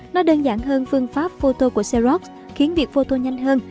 nó đơn giản hơn phương pháp photo của seoros khiến việc photo nhanh hơn